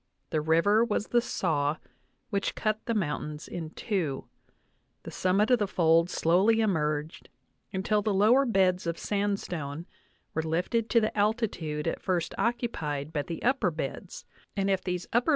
... The river was the saw which cut the mountains in two. ... The summit of the fold slowly emerged, until the lower beds of sandstone were lifted to the altitude at first occupied by the upper beds, and if these upper 23 NATIONAL ACADEMY BIOGRAPHICAL MEMOIRS VOL.